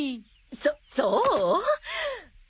そそう？